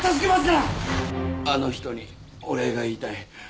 あの人にお礼が言いたい。